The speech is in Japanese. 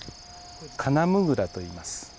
カナムグラといいます。